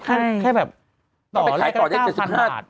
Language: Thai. ก็ไปกดให้เเต่าทั้ง๑๕บาท